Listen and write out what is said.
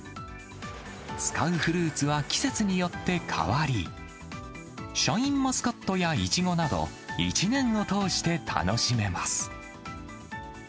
使うフルーツは季節によって変わり、シャインマスカットやイチゴなど、１年を通して楽しめます。